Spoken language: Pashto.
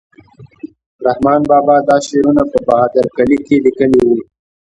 رحمان بابا دا شعر په بهادر کلي کې لیکلی و.